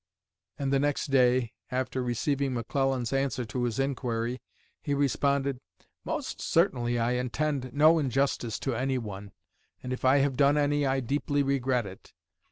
And the next day, after receiving McClellan's answer to his inquiry, he responded: "Most certainly I intend no injustice to anyone, and if I have done any I deeply regret it.